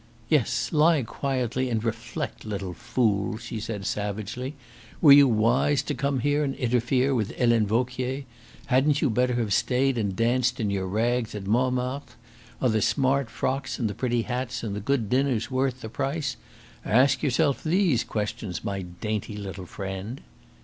"Yes, lie quietly and reflect, little fool!" she said savagely. "Were you wise to come here and interfere with Helene Vauquier? Hadn't you better have stayed and danced in your rags at Montmartre? Are the smart frocks and the pretty hats and the good dinners worth the price? Ask yourself these questions, my dainty little friend!"